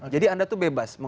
jadi anda tuh bebas